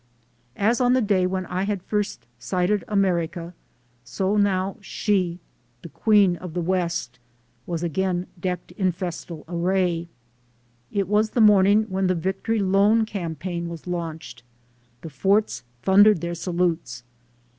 As on the day when I had first sighted America, so now She, the Queen of the West, was again decked in festal array. It was the morning when the Victory Loan campaign was launched. The forts thundered their salutes.